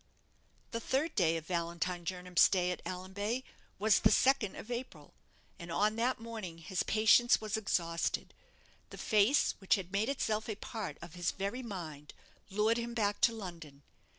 The third day of Valentine Jernam's stay at Allanbay was the second of April, and on that morning his patience was exhausted. The face which had made itself a part of his very mind lured him back to London.